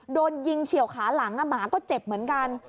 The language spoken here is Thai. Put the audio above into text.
โดนยิงเฉียวขาหลังหมาก็เจ็บเหมือนกัน